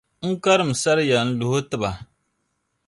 n karim’ o saria n-luh’ o ti ba.